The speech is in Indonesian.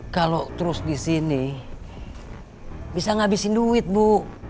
kalau terus di sini bisa ngabisin duit bu